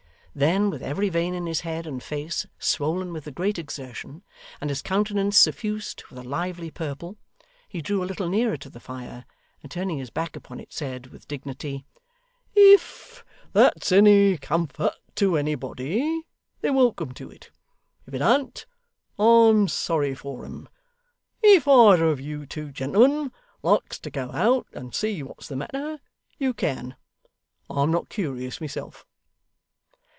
Then, with every vein in his head and face swollen with the great exertion, and his countenance suffused with a lively purple, he drew a little nearer to the fire, and turning his back upon it, said with dignity: 'If that's any comfort to anybody, they're welcome to it. If it an't, I'm sorry for 'em. If either of you two gentlemen likes to go out and see what's the matter, you can. I'm not curious, myself.